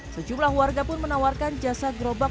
sejumlah warga pun menawarkan jasa gerobak